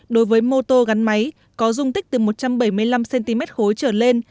đối với mô tô gắn máy có dung tích từ một trăm bảy mươi năm cm khối trở lên